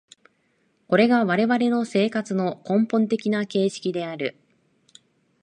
これが我々の生活の根本的な形式である。